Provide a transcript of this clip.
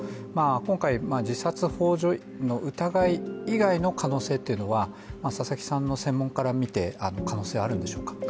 今回、自殺ほう助の疑い以外の可能性は佐々木さんの専門からみて可能性あるんでしょうか。